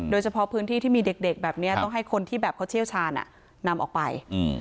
โดยเฉพาะพื้นที่ที่มีเด็กแบบนี้ต้องให้คนที่แบบเขาเชี่ยวชาญนำออกไป